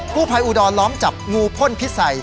ผู้ภัยอุดรล้อมจับงูพ่นพิสัย